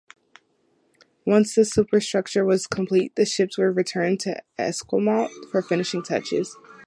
Once the superstructure was complete the ships were returned to Esquimalt for finishing touches.